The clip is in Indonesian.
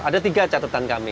ada tiga catatan kami